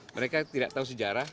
mereka tidak tahu sejarah